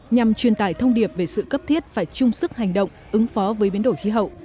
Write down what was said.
nhằm truyền tải thông điệp về sự cấp thiết phải chung sức hành động ứng phó với biến đổi khí hậu